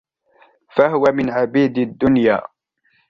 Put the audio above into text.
فَهُوَ مِنْ عَبِيدِ الدُّنْيَا